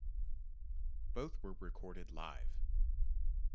Both were recorded live.